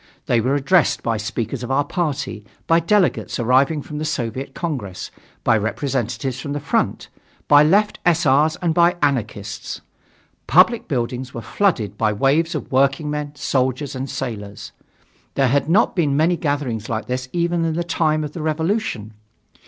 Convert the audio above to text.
They were addressed by speakers of our party, by delegates arriving for the Soviet Congress, by representatives from the front, by left S.R.'s and by Anarchists. Public buildings were flooded by waves of working men, soldiers and sailors. There had not been many gatherings like that even in the time of the Revolution.